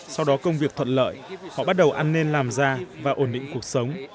sau đó công việc thuận lợi họ bắt đầu ăn nên làm ra và ổn định cuộc sống